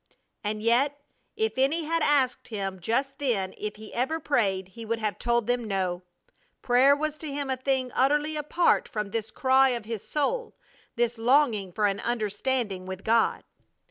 And yet if any had asked him just then if he ever prayed he would have told them no. Prayer was to him a thing utterly apart from this cry of his soul, this longing for an understanding with God.